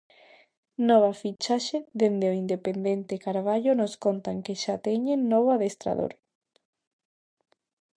Nova fichaxe dende o independente Carballo nos contan que xa teñen novo adestrador.